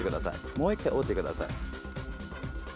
もう１回折ってください。